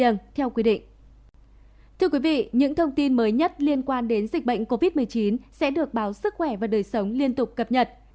những thông tin mới nhất liên quan đến dịch bệnh covid một mươi chín sẽ được báo sức khỏe và đời sống liên tục cập nhật